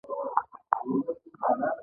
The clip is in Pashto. افغانستان کې د سنگ مرمر په اړه زده کړه کېږي.